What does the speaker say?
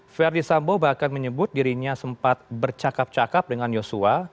verdi sambo bahkan menyebut dirinya sempat bercakap cakap dengan yosua